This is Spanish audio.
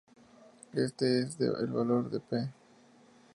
Este es el valor de "p".